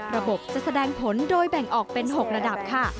ระบบจะแสดงผลโดยแบ่งออกเป็น๖ระดับค่ะ